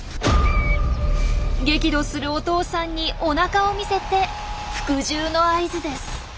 激怒するお父さんにおなかを見せて服従の合図です。